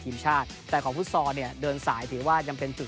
ทีมชาติแต่ของฟุตซอลเนี่ยเดินสายถือว่ายังเป็นจุด